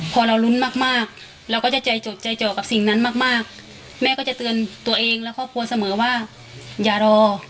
พอเรารุ้นมากเราก็จะใจจดใจเจอกับพิษนั้นมากลูกแม่ก็จะเตือนตัวเองพ่อควรให้ทุกวันสมมติว่าอย่ารอ